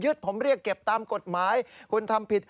ผมเรียกเก็บตามกฎหมายคุณทำผิด